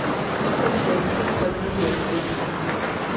که خپل ژوند ته بدلون ورکړئ